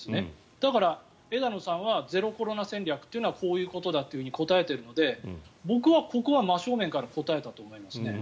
だから、枝野さんはゼロコロナ戦略というのはこういうことだと答えているので、僕はここは真正面から答えたと思いますね。